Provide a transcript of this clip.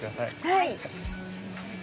はい！